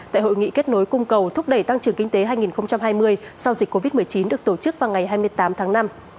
tại hội nghị kết nối cung cầu thúc đẩy tăng trưởng kinh tế hai nghìn hai mươi sau dịch covid một mươi chín được tổ chức vào ngày hai mươi tám tháng năm